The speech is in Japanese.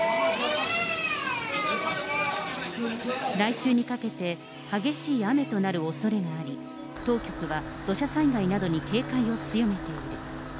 来週にかけて、激しい雨となるおそれがあり、当局は土砂災害などに警戒を強めている。